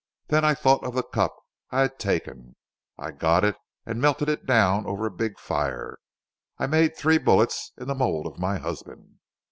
Then I thought of the cup I had taken. I got it and melted it down over a big fire. I made three bullets in the mould of my husband.